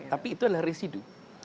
tapi itu adalah residu